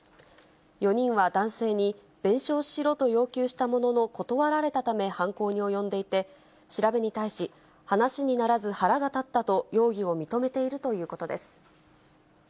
４人は男性に、弁償しろと要求したものの断られたため、犯行に及んでいて、調べに対し、話にならず腹が立ったと、容疑を認めているということです。